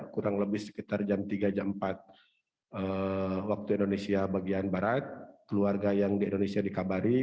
kurang lebih sekitar jam tiga jam empat waktu indonesia bagian barat keluarga yang di indonesia dikabari